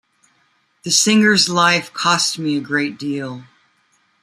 The singer's life cost me a great deal.